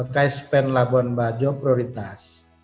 kaispen labuan bajo prioritas